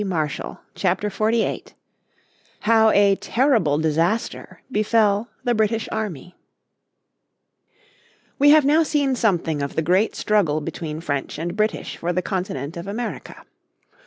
__________ Chapter 48 How a Terrible Disaster Befell the British Army We have now seen something of the great struggle between French and British for the continent of America.